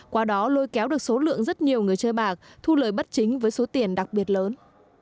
qua đó lôi kéo được số lượng rất nhiều người chơi bạc thu lời bất chính với số tiền đặc biệt lớn